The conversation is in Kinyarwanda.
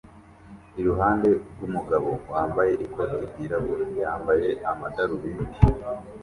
iruhande rwumugabo wambaye ikoti ryirabura yambaye amadarubindi